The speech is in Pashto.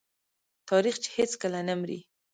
تاریخ چې هیڅکله نه مري.